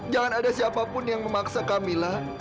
jangan ada siapapun yang memaksa kamila